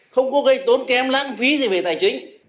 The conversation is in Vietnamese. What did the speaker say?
không có gây tốn kém lãng phí gì về tài chính